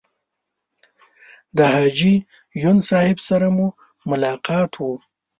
د حاجي یون صاحب سره مو ملاقات و.